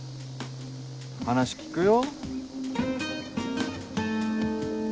話聞くよ。